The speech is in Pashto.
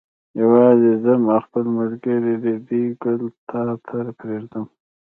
یوازې ځم او خپل ملګری ریډي ګل تا ته پرېږدم.